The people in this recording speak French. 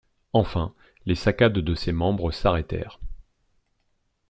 Enfin, les saccades de ses membres s'arrêtèrent.